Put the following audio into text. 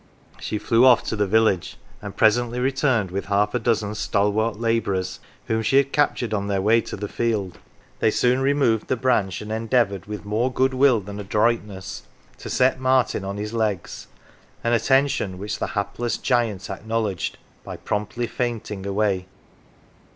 She flew off to the village, and presently returned with half a dozen stalwart labourers whom she had captured on their way to the field. They soon re moved the branch, and endeavoured, with more good will than adroitness, to set Martin on his legs an attention which the hapless giant acknowledged by promptly fainting away.